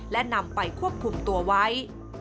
และนำไปควบคุมตัวไว้